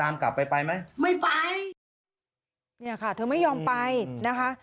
นี่ค่ะเธอไม่ยอมไปนะคะ